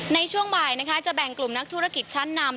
ในช่วงบ่ายจะแบ่งกลุ่มนักธุรกิจชั้นนำ